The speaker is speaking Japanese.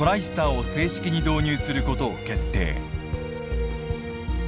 スターを正式に導入する事を決定。